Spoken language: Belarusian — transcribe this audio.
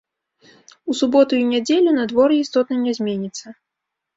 У суботу і нядзелю надвор'е істотна не зменіцца.